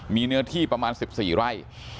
มีเนื้อที่ประมาณ๑๔ไร่